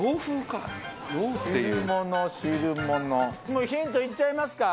もうヒントいっちゃいますか？